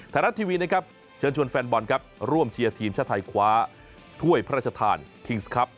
ไทยรัฐทีวีนะครับเชิญชวนแฟนบอลครับร่วมเชียร์ทีมชาติไทยคว้าถ้วยพระราชทานคิงส์ครับ